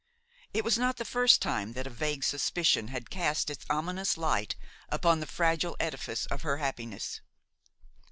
It was not the first time that a vague suspicion had cast its ominous light upon the fragile edifice of her happiness.